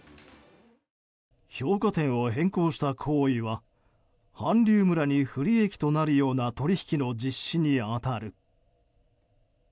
評価点を変更した行為は韓流村に不利益となるような取引の実施に当たる。